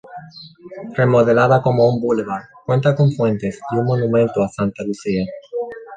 Remodelada como un boulevard, cuenta con fuentes y un monumento a Santa Lucía.